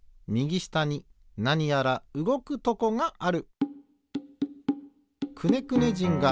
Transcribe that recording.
ひだりうえなにやらうごくとこがある。